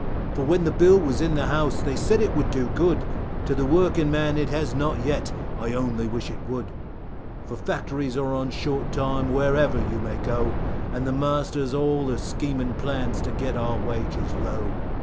For when the bill was in the house they said it would do good, To the working man it has not yet, I only wish it would, For factories are on short time wherever you may go, And the masters all are scheming plans to get our wages low.